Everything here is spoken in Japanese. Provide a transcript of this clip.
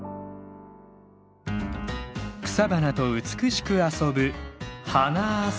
草花と美しく遊ぶ「花遊美」